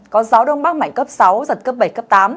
có gió đông bắc mạnh cấp sáu giật cấp bảy cấp tám